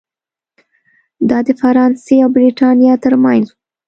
دا د فرانسې او برېټانیا ترمنځ و.